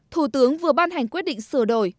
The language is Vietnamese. thủ tướng vừa ban hành quyết định sửa đổi